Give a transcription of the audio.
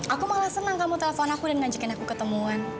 aku malah senang kamu telpon aku dan ngajakin aku ketemu